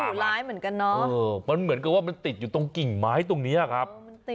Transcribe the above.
คือเหมือนกับมันติดอยู่ตรงกี่งไม้ตรงเนี้ยครับ